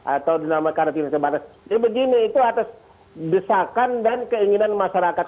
atau dinama karantina terbatas jadi begini itu atas desakan dan keinginan masyarakat